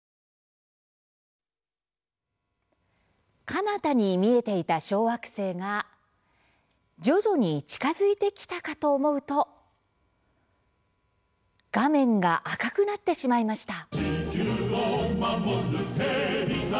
かなたに見えていた小惑星が徐々に近づいてきたかと思うと画面が赤くなってしまいました。